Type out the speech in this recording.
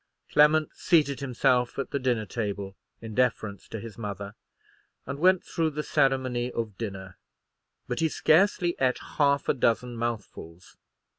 Clement seated himself at the dinner table, in deference to his mother, and went through the ceremony of dinner; but he scarcely ate half a dozen mouthfuls.